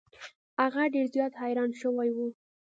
هغه ډیر زیات حیران شوی و.